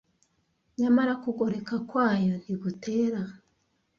Nyamara kugoreka kwayo ntigutera